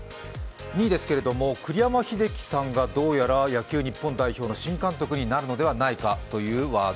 ２位ですけど、栗山英樹さんがどうやら野球日本代表の新監督になるのではないかというワード。